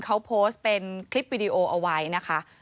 เขาโพสต์เป็นคลิปวิดีโอเอาไว้นะคะ